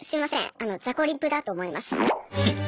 あのザコリプだと思います。